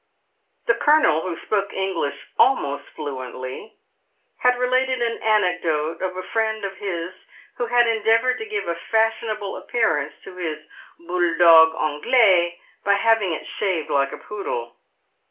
The colonel, who spoke English almost fluently, had related an anecdote of a friend of his who had endeavoured to give a fashionable appearance to his " bouledog Anglais " by having it shaved like a poodle.